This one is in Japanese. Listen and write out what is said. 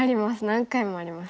何回もあります。